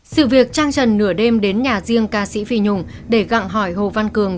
sự việc trang trần nửa đêm đến nhà riêng ca sĩ phi nhung để gặng hỏi hồ văn cường